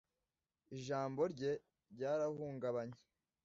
Ijambo rye ryarahungabanye